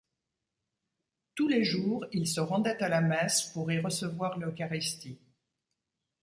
Tous les jours, il se rendait à la Messe pour y recevoir l'Eucharistie.